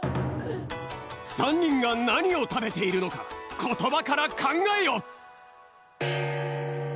３にんがなにをたべているのかことばからかんがえよ！